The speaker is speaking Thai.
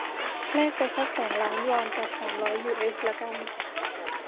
แลกไปซักสองล้านวอน กับ สามร้อยยูเอสละกัน